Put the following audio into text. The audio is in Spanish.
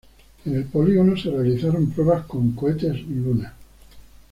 En el Polígono se realizaron pruebas con cohetes "Luna".